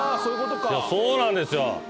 そうなんですよ。